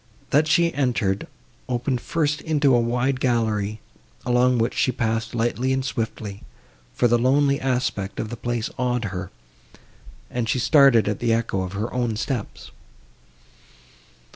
That she entered, opened first into a wide gallery, along which she passed lightly and swiftly; for the lonely aspect of the place awed her, and she started at the echo of her own steps.